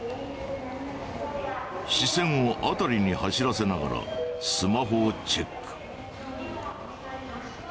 視線を辺りに走らせながらスマホをチェック。